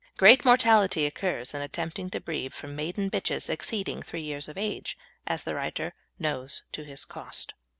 Great mortality occurs in attempting to breed from maiden bitches exceeding three years of age, as the writer knows to his cost.